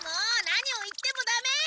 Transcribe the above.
何を言ってもダメ！